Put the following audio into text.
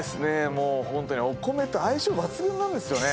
もうホントにお米と相性抜群なんですよね。